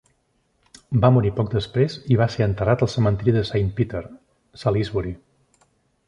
Va morir poc després i va ser enterrat al cementiri de Saint Peter, Salesbury.